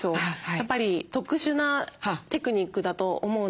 やっぱり特殊なテクニックだと思うので。